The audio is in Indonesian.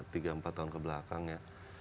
tiga empat tahun kebelakang ya